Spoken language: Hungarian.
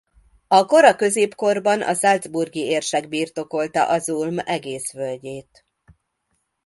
A kora középkorban a salzburgi érsek birtokolta a Sulm egész völgyét.